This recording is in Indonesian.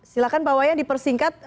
silakan pak wayan dipersingkat